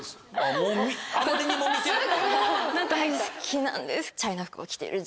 好きなんです。